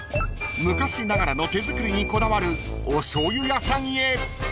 ［昔ながらの手作りにこだわるお醤油屋さんへ］